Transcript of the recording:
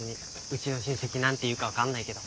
うちの親戚何て言うか分かんないけど。